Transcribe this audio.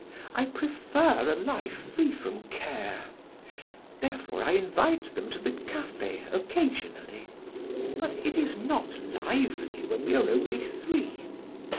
I prefer a life free from care; therefore I invite them to the cafe occasionally; but it is not lively when we are only three.